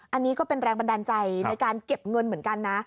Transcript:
อันนี้ก็เป็นแรงบันดาลใจในการเก็บเงินเหมือนกันนะ